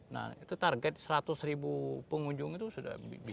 nah itu target seratus ribu pengunjung itu sudah bisa